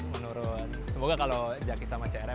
menurun semoga kalau jadi sama crm